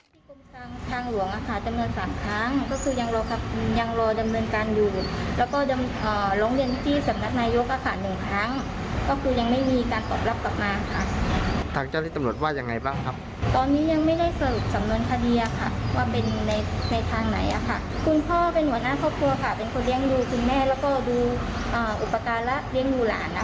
ศิลปทศค่ะเป็นคนเรียกดูสุลแม่แล้วก็ดูอาหารและเรียกดูหลานนะคะ